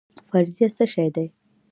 فرضیه څه شی دی؟